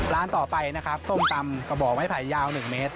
ร้านต่อไปนะครับส้มตำกระบอกไม้ไผ่ยาว๑เมตร